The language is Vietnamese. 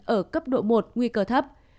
ở cấp độ một nguy cơ thấp